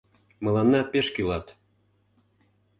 Мыланна пеш кӱлат.